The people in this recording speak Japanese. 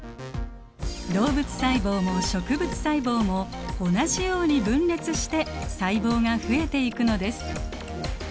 動物細胞も植物細胞も同じように分裂して細胞が増えていくのです。